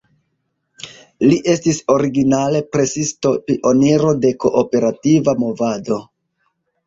Li estis originale presisto, pioniro de kooperativa movado.